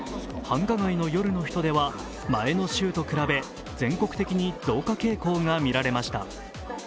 繁華街の夜の人出は前の週と比べ全国的に増加傾向がみられました。